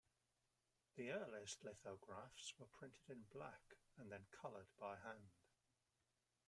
The earliest lithographs were printed in black and then colored by hand.